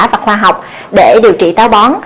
và khoa học để điều trị táo bón